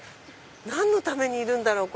何のためにいるんだろう？